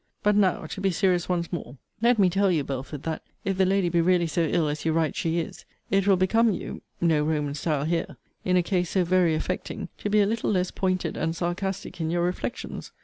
But now, to be serious once more, let me tell you, Belford, that, if the lady be really so ill as you write she is, it will become you [no Roman style here!] in a case so very affecting, to be a little less pointed and sarcastic in your reflections.